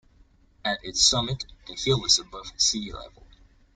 At its summit the hill is above sea level.